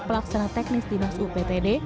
pelaksana teknis dinas uptd